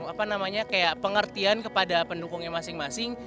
apa namanya kayak pengertian kepada pendukungnya masing masing